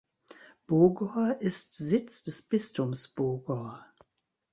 Bogor ist Sitz des Bistums Bogor.